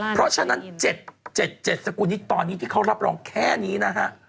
เพราะฉะนั้น๗๗สกุลนี้ตอนนี้ที่เขารับรองแค่นี้นะฮะ